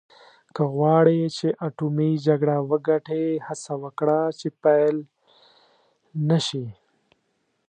که غواړې چې اټومي جګړه وګټې هڅه وکړه چې پیل نه شي.